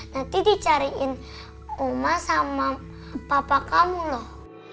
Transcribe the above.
nanti dicariin uma sama papa kamu loh